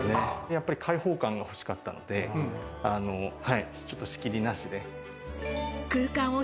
やっぱり開放感が欲しかったので、ちょっと仕切りなしでと。